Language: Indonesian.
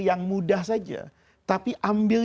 yang mudah saja tapi ambil